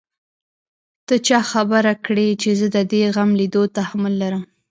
ته چا خبره کړې چې زه د دې غم ليدو تحمل لرم.